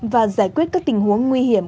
và giải quyết các tình huống nguy hiểm